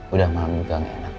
udah malam juga nggak enak